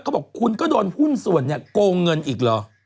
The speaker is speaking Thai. เขาบอกคุณก็โดนหุ้นส่วนเนี่ยโกงเงินอีกเหรอ